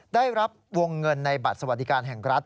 ได้รับวงเงินในบัตรสวัสดิการแห่งรัฐ